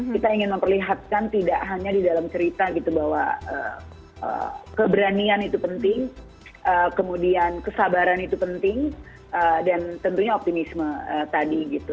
kita ingin memperlihatkan tidak hanya di dalam cerita gitu bahwa keberanian itu penting kemudian kesabaran itu penting dan tentunya optimisme tadi gitu